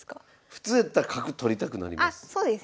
普通やったら角取りたくなります。